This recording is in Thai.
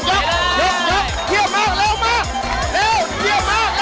เยี่ยมมากเร็วมาก